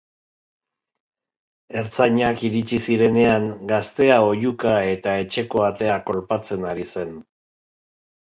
Ertzainak iritsi zirenean, gaztea oihuka eta etxeko atea kolpatzen ari zen.